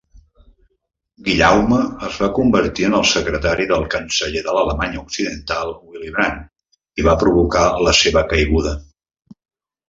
Guillaume es va convertir en el secretari del canceller de l'Alemanya Occidental Willy Brandt i va provocar la seva caiguda.